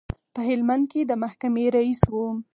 په هلمند کې د محکمې رئیس و.